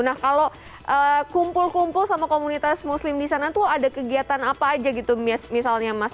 nah kalau kumpul kumpul sama komunitas muslim di sana tuh ada kegiatan apa aja gitu misalnya mas